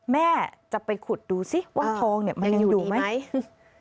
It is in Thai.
แม่จะไปขุดดูสิว่าทองมันยังอยู่นี่ไหม